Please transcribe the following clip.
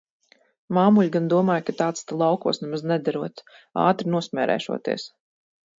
Māmuļa gan domāja, ka tāds te laukos nemaz nederot, ātri nosmērēšoties.